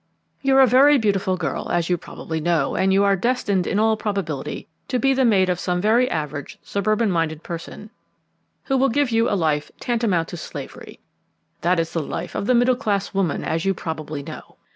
You're a very beautiful girl, as you probably know, and you are destined, in all probability, to be the mate of a very average suburban minded person, who will give you a life tantamount to slavery. That is the life of the middle class woman, as you probably know.